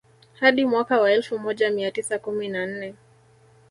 Hadi mwaka wa elfu moja mia tisa kumi na nne